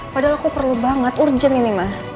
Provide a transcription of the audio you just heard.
padahal aku perlu banget urgent ini mah